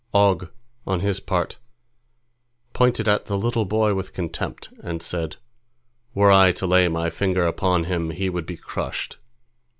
Og, on his part, pointed at the little boy with contempt, and said, "Were I to lay my finger upon him, he would be crushed."